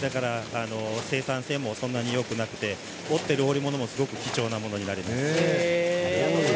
生産性もそんなによくなくて織っている織物も非常に貴重なものになります。